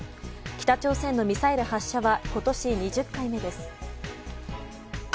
北朝鮮のミサイル発射は今年２０回目です。